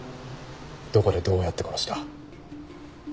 どこでどうやって殺した？